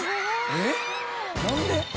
えっ何で？